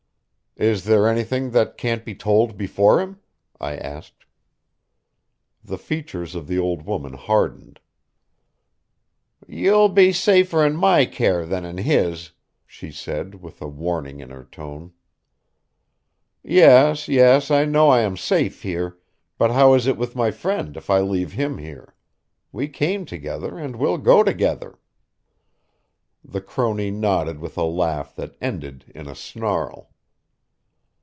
"Is there anything that can't be told before him?" I asked. The features of the old woman hardened. "You'll be safer in my care than in his," she said, with warning in her tone. "Yes, yes, I know I am safe here, but how is it with my friend if I leave him here? We came together and we'll go together." The crone nodded with a laugh that ended in a snarl.